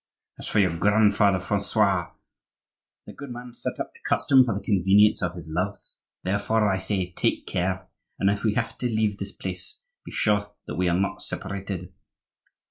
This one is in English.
As for your grandfather, Francois, the good man set up the custom for the convenience of his loves. Therefore, I say, take care. And if we have to leave this place, be sure that we are not separated."